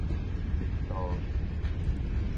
擇